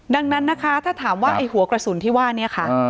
ดังนั้นนะคะถ้าถามว่าไอ้หัวกระสุนที่ว่าเนี่ยค่ะ